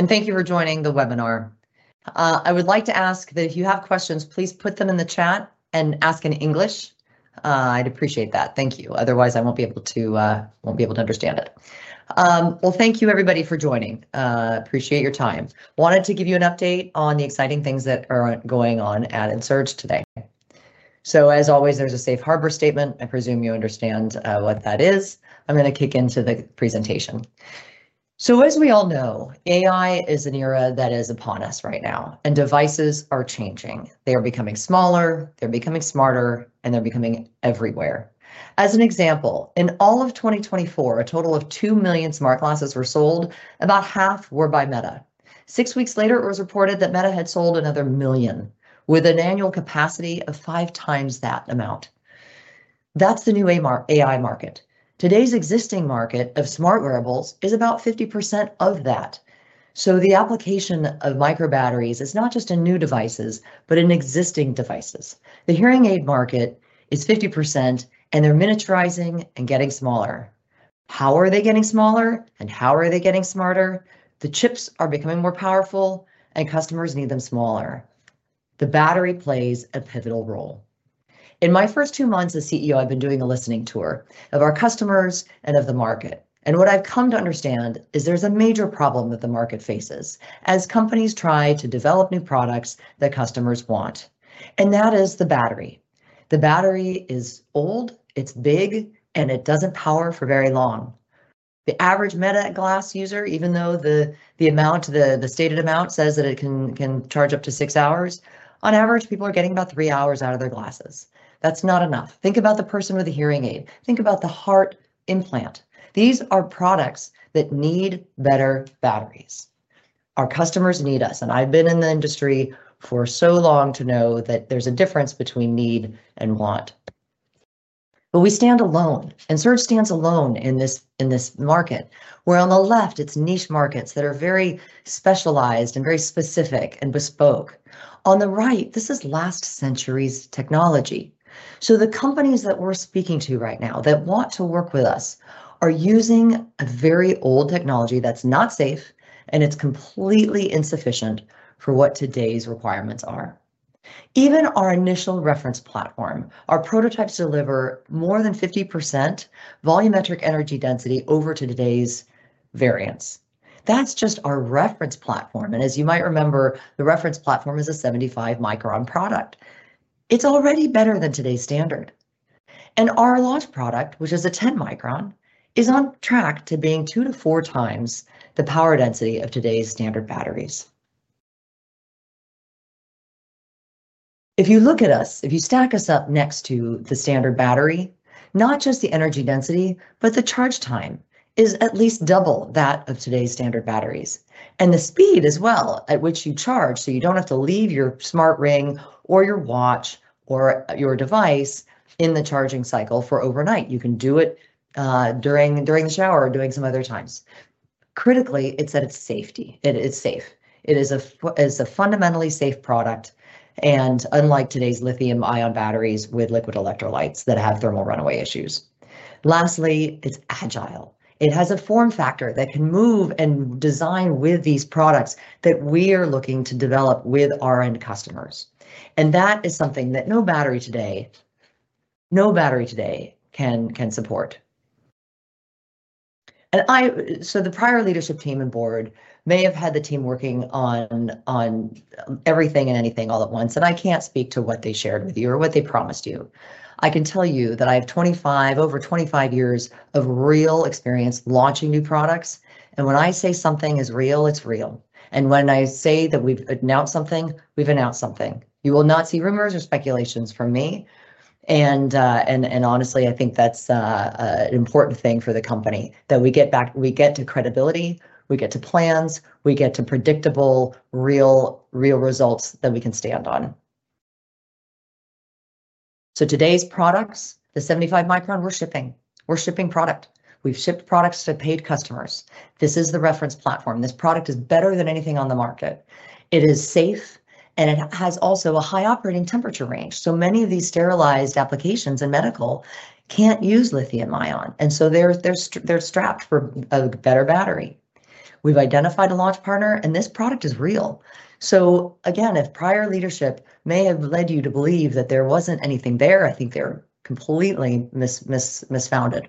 Thank you for joining the webinar. I would like to ask that if you have questions, please put them in the chat and ask in English. I'd appreciate that. Thank you. Otherwise, I won't be able to understand it. Thank you, everybody, for joining. I appreciate your time. I wanted to give you an update on the exciting things that are going on at Ensurge today. As always, there's a safe harbor statement. I presume you understand what that is. I'm going to kick into the presentation. As we all know, AI is an era that is upon us right now, and devices are changing. They are becoming smaller, they're becoming smarter, and they're becoming everywhere. As an example, in all of 2024, a total of 2 million smart glasses were sold. About half were by Meta. Six weeks later, it was reported that Meta had sold another million, with an annual capacity of five times that amount. That's the new AI market. Today's existing market of smart wearables is about 50% of that. The application of microbatteries is not just in new devices, but in existing devices. The hearing aid market is 50%, and they're miniaturizing and getting smaller. How are they getting smaller? And how are they getting smarter? The chips are becoming more powerful, and customers need them smaller. The battery plays a pivotal role. In my first two months as CEO, I've been doing a listening tour of our customers and of the market. What I've come to understand is there's a major problem that the market faces as companies try to develop new products that customers want. That is the battery. The battery is old, it's big, and it doesn't power for very long. The average Meta glass user, even though the stated amount says that it can charge up to six hours, on average, people are getting about three hours out of their glasses. That's not enough. Think about the person with a hearing aid. Think about the heart implant. These are products that need better batteries. Our customers need us. I've been in the industry for so long to know that there's a difference between need and want. We stand alone. Ensurge stands alone in this market, where on the left, it's niche markets that are very specialized and very specific and bespoke. On the right, this is last century's technology. The companies that we're speaking to right now that want to work with us are using a very old technology that's not safe, and it's completely insufficient for what today's requirements are. Even our initial reference platform, our prototypes deliver more than 50% volumetric energy density over today's variants. That's just our reference platform. As you might remember, the reference platform is a 75-micron product. It's already better than today's standard. Our launch product, which is a 10-micron, is on track to being two to four times the power density of today's standard batteries. If you look at us, if you stack us up next to the standard battery, not just the energy density, but the charge time is at least double that of today's standard batteries. The speed as well at which you charge, so you do not have to leave your smart ring or your watch or your device in the charging cycle overnight. You can do it during the shower or during some other times. Critically, it is safety. It is safe. It is a fundamentally safe product. Unlike today's lithium-ion batteries with liquid electrolytes that have thermal runaway issues. Lastly, it is agile. It has a form factor that can move and design with these products that we are looking to develop with our end customers. That is something that no battery today, no battery today can support. The prior leadership team and board may have had the team working on everything and anything all at once. I cannot speak to what they shared with you or what they promised you. I can tell you that I have over 25 years of real experience launching new products. When I say something is real, it is real. When I say that we have announced something, we have announced something. You will not see rumors or speculations from me. Honestly, I think that is an important thing for the company, that we get to credibility, we get to plans, we get to predictable, real results that we can stand on. Today's products, the 75-micron, we are shipping. We are shipping product. We have shipped products to paid customers. This is the reference platform. This product is better than anything on the market. It is safe, and it has also a high operating temperature range. Many of these sterilized applications and medical cannot use lithium-ion. They are strapped for a better battery. We have identified a launch partner, and this product is real. If prior leadership may have led you to believe that there was not anything there, I think they are completely misfounded.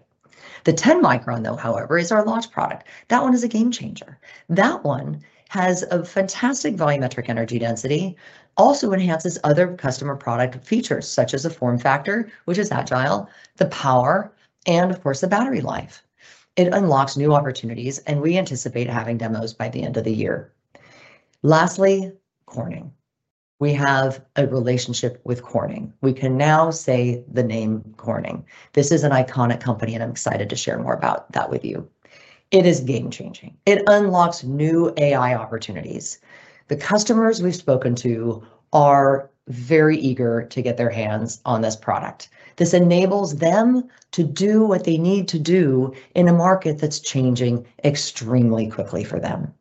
The 10-micron, though, however, is our launch product. That one is a game changer. That one has a fantastic volumetric energy density, also enhances other customer product features such as the form factor, which is agile, the power, and of course, the battery life. It unlocks new opportunities, and we anticipate having demos by the end of the year. Lastly, Corning. We have a relationship with Corning. We can now say the name Corning. This is an iconic company, and I am excited to share more about that with you. It is game changing. It unlocks new AI opportunities. The customers we have spoken to are very eager to get their hands on this product. This enables them to do what they need to do in a market that's changing extremely quickly for them.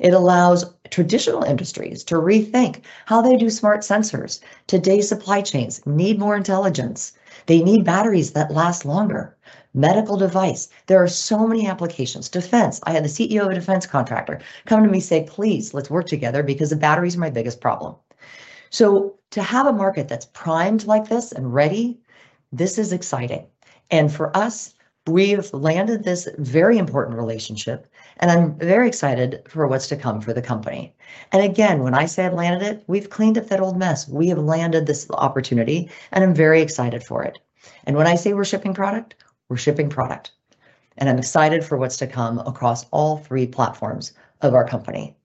It allows traditional industries to rethink how they do smart sensors. Today's supply chains need more intelligence. They need batteries that last longer. Medical devices. There are so many applications. Defense. I had the CEO of a defense contractor come to me say, "Please, let's work together because the battery is my biggest problem." To have a market that's primed like this and ready, this is exciting. For us, we've landed this very important relationship, and I'm very excited for what's to come for the company. Again, when I say I've landed it, we've cleaned up that old mess. We have landed this opportunity, and I'm very excited for it. When I say we're shipping product, we're shipping product. I'm excited for what's to come across all three platforms of our company.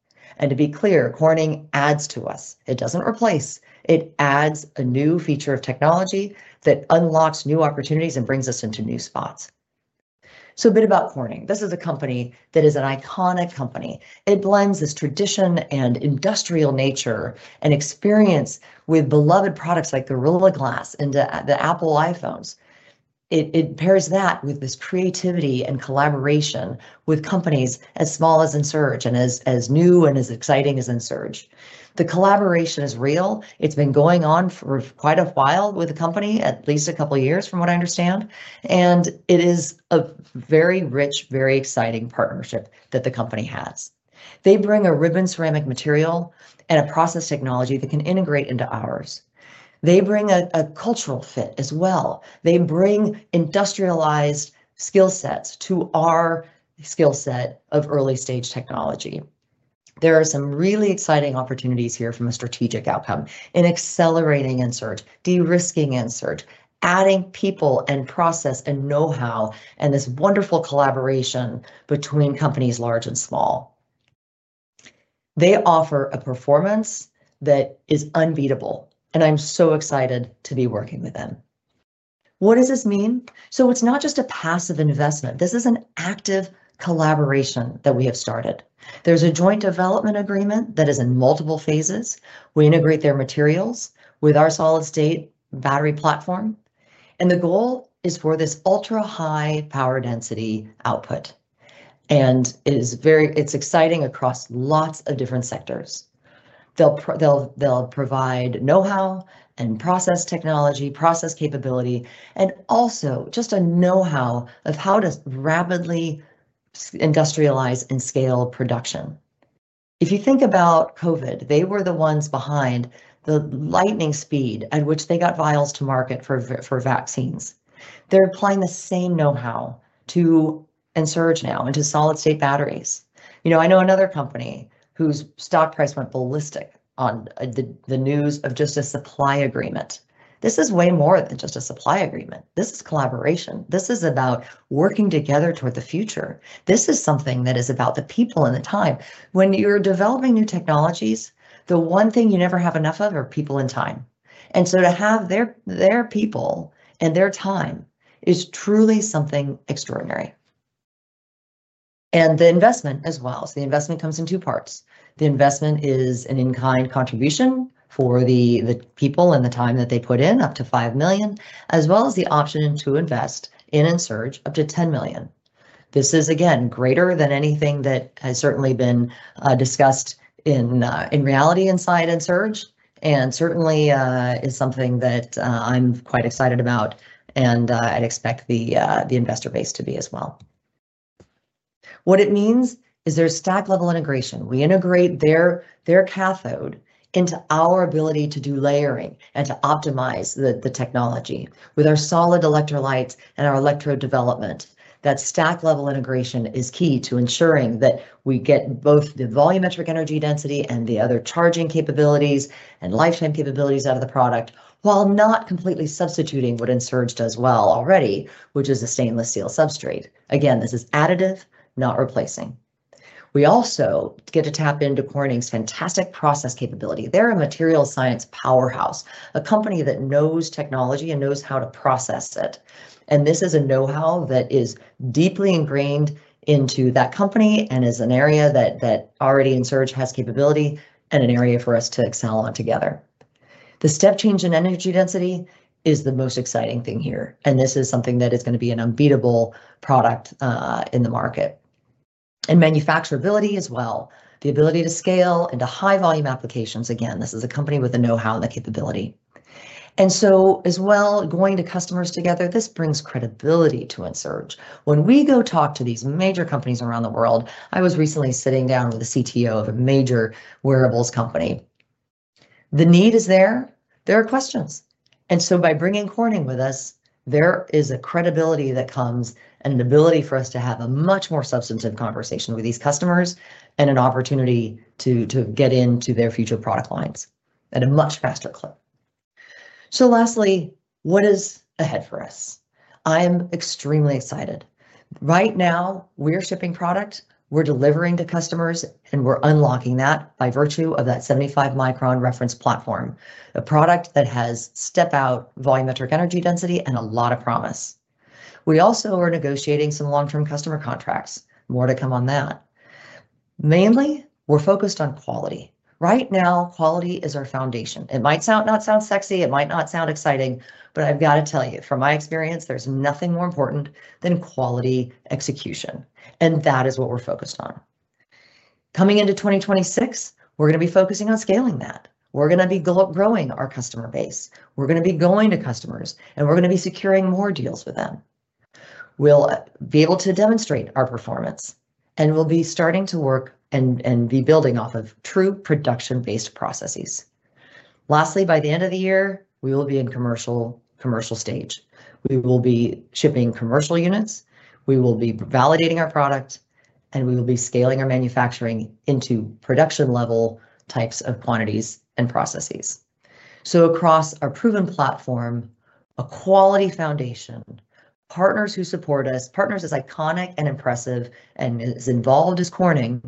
To be clear, Corning adds to us. It doesn't replace. It adds a new feature of technology that unlocks new opportunities and brings us into new spots. A bit about Corning. This is a company that is an iconic company. It blends this tradition and industrial nature and experience with beloved products like Gorilla Glass and the Apple iPhone. It pairs that with this creativity and collaboration with companies as small as Ensurge and as new and as exciting as Ensurge. The collaboration is real. It's been going on for quite a while with the company, at least a couple of years, from what I understand. It is a very rich, very exciting partnership that the company has. They bring a ribbon ceramic material and a process technology that can integrate into ours. They bring a cultural fit as well. They bring industrialized skill sets to our skill set of early stage technology. There are some really exciting opportunities here from a strategic outcome in accelerating Ensurge, de-risking Ensurge, adding people and process and know-how, and this wonderful collaboration between companies large and small. They offer a performance that is unbeatable, and I'm so excited to be working with them. What does this mean? It's not just a passive investment. This is an active collaboration that we have started. There's a joint development agreement that is in multiple phases. We integrate their materials with our solid-state battery platform. The goal is for this ultra-high power density output. It's exciting across lots of different sectors. They'll provide know-how and process technology, process capability, and also just a know-how of how to rapidly industrialize and scale production. If you think about COVID, they were the ones behind the lightning speed at which they got vials to market for vaccines. They're applying the same know-how to Ensurge now into solid-state batteries. I know another company whose stock price went ballistic on the news of just a supply agreement. This is way more than just a supply agreement. This is collaboration. This is about working together toward the future. This is something that is about the people and the time. When you're developing new technologies, the one thing you never have enough of are people and time. To have their people and their time is truly something extraordinary. The investment as well. The investment comes in two parts. The investment is an in-kind contribution for the people and the time that they put in, up to $5 million, as well as the option to invest in Ensurge up to $10 million. This is, again, greater than anything that has certainly been discussed in reality inside Ensurge, and certainly is something that I'm quite excited about, and I'd expect the investor base to be as well. What it means is there's stack-level integration. We integrate their cathode into our ability to do layering and to optimize the technology with our solid electrolytes and our electrode development. That stack-level integration is key to ensuring that we get both the volumetric energy density and the other charging capabilities and lifetime capabilities out of the product while not completely substituting what Ensurge does well already, which is a stainless steel substrate. Again, this is additive, not replacing. We also get to tap into Corning's fantastic process capability. They're a material science powerhouse, a company that knows technology and knows how to process it. This is a know-how that is deeply ingrained into that company and is an area that already Ensurge has capability and an area for us to excel on together. The step change in energy density is the most exciting thing here. This is something that is going to be an unbeatable product in the market. Manufacturability as well, the ability to scale into high-volume applications. This is a company with the know-how and the capability. As well, going to customers together, this brings credibility to Ensurge. When we go talk to these major companies around the world, I was recently sitting down with the CTO of a major wearables company. The need is there. There are questions. By bringing Corning with us, there is a credibility that comes and an ability for us to have a much more substantive conversation with these customers and an opportunity to get into their future product lines at a much faster clip. Lastly, what is ahead for us? I am extremely excited. Right now, we're shipping product. We're delivering to customers, and we're unlocking that by virtue of that 75-micron reference platform, a product that has step-out volumetric energy density and a lot of promise. We also are negotiating some long-term customer contracts, more to come on that. Mainly, we're focused on quality. Right now, quality is our foundation. It might not sound sexy. It might not sound exciting. I've got to tell you, from my experience, there's nothing more important than quality execution. That is what we're focused on. Coming into 2026, we're going to be focusing on scaling that. We're going to be growing our customer base. We're going to be going to customers, and we're going to be securing more deals with them. We'll be able to demonstrate our performance, and we'll be starting to work and be building off of true production-based processes. Lastly, by the end of the year, we will be in commercial stage. We will be shipping commercial units. We will be validating our product, and we will be scaling our manufacturing into production-level types of quantities and processes. Across our proven platform, a quality foundation, partners who support us, partners as iconic and impressive and as involved as Corning,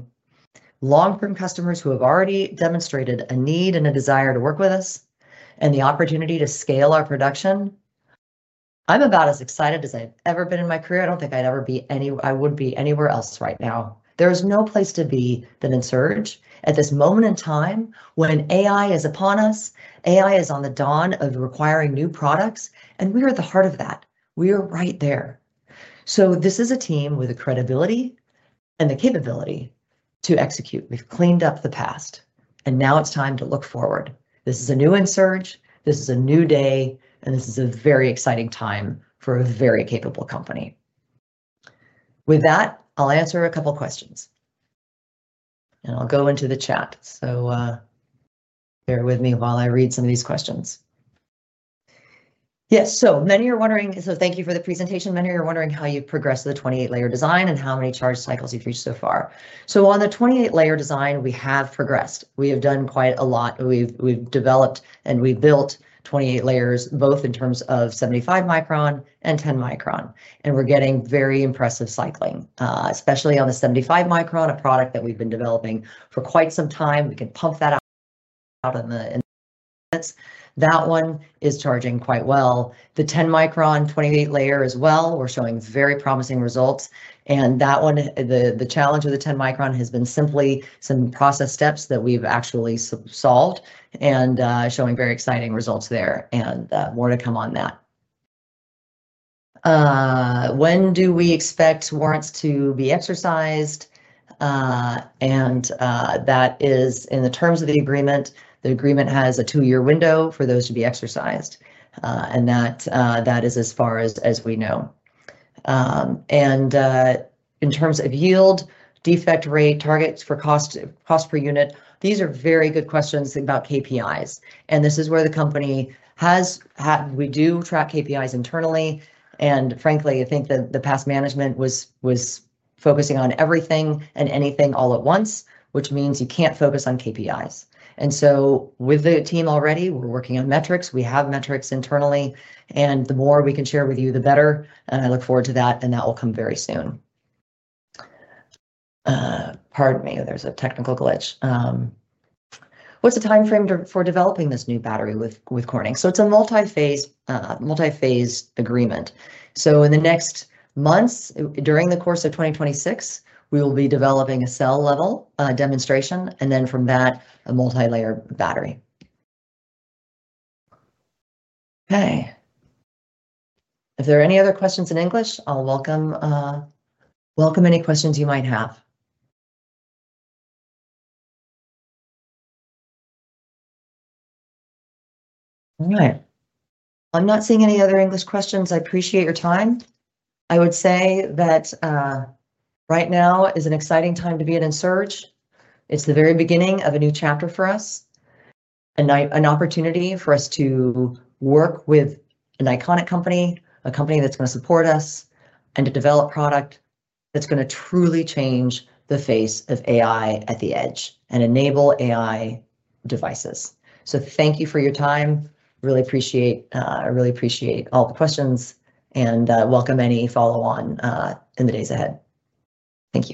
long-term customers who have already demonstrated a need and a desire to work with us, and the opportunity to scale our production. I'm about as excited as I've ever been in my career. I don't think I'd ever be anywhere else right now. There is no place to be than Ensurge at this moment in time, when AI is upon us, AI is on the dawn of requiring new products, and we are at the heart of that. We are right there. This is a team with the credibility and the capability to execute. We've cleaned up the past, and now it's time to look forward. This is a new Ensurge. This is a new day, and this is a very exciting time for a very capable company. With that, I'll answer a couple of questions. I'll go into the chat. Bear with me while I read some of these questions. Yes, many are wondering, so thank you for the presentation. Many are wondering how you've progressed to the 28-layer design and how many charge cycles you've reached so far. On the 28-layer design, we have progressed. We have done quite a lot. We've developed and we've built 28 layers, both in terms of 75 micron and 10 micron. We're getting very impressive cycling, especially on the 75 micron, a product that we've been developing for quite some time. We can pump that out in minutes. That one is charging quite well. The 10 micron, 28-layer as well, we're showing very promising results. That one, the challenge of the 10 micron has been simply some process steps that we've actually solved and showing very exciting results there, and more to come on that. When do we expect warrants to be exercised? That is in the terms of the agreement. The agreement has a two-year window for those to be exercised. That is as far as we know. In terms of yield, defect rate, targets for cost per unit, these are very good questions about KPIs. This is where the company has. We do track KPIs internally. Frankly, I think that the past management was focusing on everything and anything all at once, which means you can't focus on KPIs. With the team already, we're working on metrics. We have metrics internally. The more we can share with you, the better. I look forward to that. That will come very soon. Pardon me. There's a technical glitch. What's the timeframe for developing this new battery with Corning? It's a multi-phase agreement. In the next months, during the course of 2026, we will be developing a cell-level demonstration. From that, a multi-layer battery. If there are any other questions in English, I'll welcome any questions you might have. All right. I'm not seeing any other English questions. I appreciate your time. I would say that right now is an exciting time to be at Ensurge. It's the very beginning of a new chapter for us. An opportunity for us to work with an iconic company, a company that's going to support us, and to develop product that's going to truly change the face of AI at the edge and enable AI devices. Thank you for your time. Really appreciate all the questions and welcome any follow-on in the days ahead. Thank you.